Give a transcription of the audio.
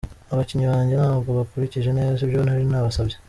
Abakinnyi banjye ntabwo bakurikije neza ibyo nari nabasabye.